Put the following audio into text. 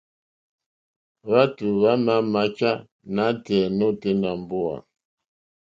Hwátò hwámà máchá nátɛ̀ɛ̀ nôténá mbówà.